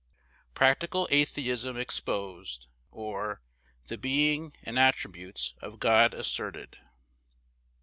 Practical atheism exposed; or, The being and attributes of God asserted.